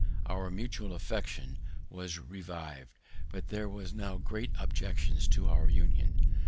Our mutual affection was revived, but there were now great objections to our union.